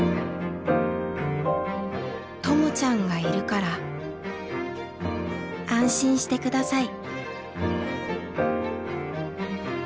「ともちゃんがいるから安心して下さい」。